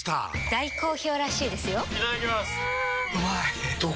大好評らしいですよんうまい！